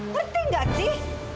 ngerti nggak sih